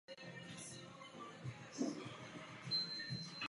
Jsem velmi vděčný panu Costasovi za jeho slova.